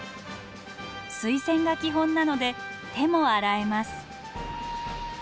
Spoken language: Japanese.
水洗が基本なので手も洗えます。